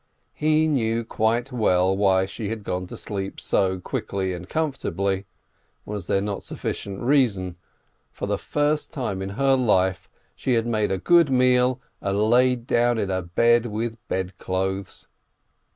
He knew quite well why she had gone to sleep so quickly and comfortably. Was there not sufficient reason ? For the first time in her life she had made a good meal and lain down in a bed with bedclothes